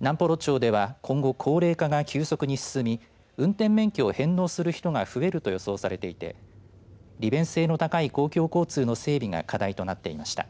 南幌町では今後、高齢化が急速に進み運転免許を返納する人が増えると予想されていて利便性の高い公共交通の整備が課題となっていました。